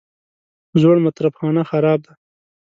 زوړ مطرب خانه خراب دی.